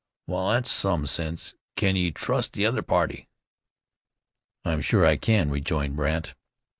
"Wal, that's some sense. Kin ye trust ther other party?" "I'm sure I can," rejoined Brandt.